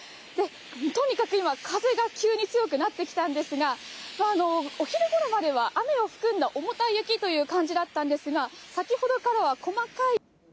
とにかく今、風が急に強くなってきたんですが、お昼ごろまでは雨を含んだ重たい雪という感じだったんですが、先ほどからは細かい。